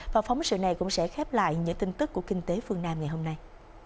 và phóng sự này cũng sẽ khép lại những tin tức của kinh tế phương nam ngày hôm nay